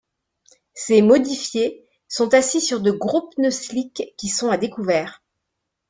Ces “modifiés” sont assis sur de gros pneus slicks qui sont à découvert.